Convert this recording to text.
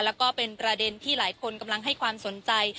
แล้วก็เป็นประเด็นที่หลายคนกำลังให้ความสนใจ